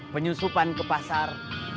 penyusupan ke pasar